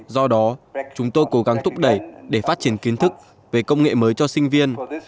do đó chúng tôi cố gắng thúc đẩy để phát triển kiến thức về công nghệ mới cho sinh viên